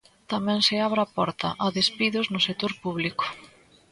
Tamén se abre a porta a despidos no sector público.